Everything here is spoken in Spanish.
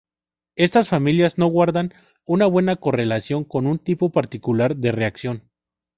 Estas familias no guardan una buena correlación con un tipo particular de reacción.